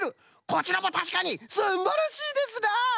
こちらもたしかにすんばらしいですな！